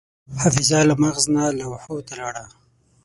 حافظه له مغز نه لوحو ته لاړه.